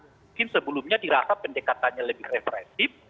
mungkin sebelumnya dirasa pendekatannya lebih represif